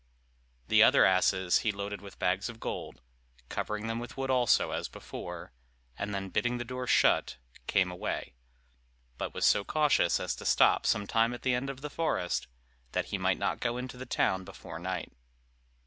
The other two asses he loaded with bags of gold, covering them with wood also as before; and then bidding the door shut, came away; but was so cautious as to stop some time at the end of the forest, that he might not go into the town before night.